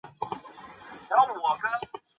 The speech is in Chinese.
主要城镇为隆勒索涅。